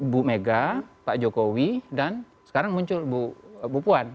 bu mega pak jokowi dan sekarang muncul bu puan